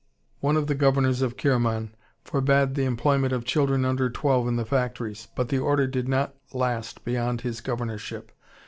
One of the Governors of Kirman forbade the employment of children under twelve in the factories, but the order did not last beyond his governorship.